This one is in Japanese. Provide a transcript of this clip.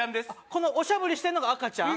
このおしゃぶりしてんのが赤ちゃん？